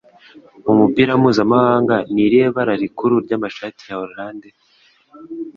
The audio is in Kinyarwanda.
Mumupira Mpuzamahanga Ni irihe bara rikuru ryamashati ya Hollande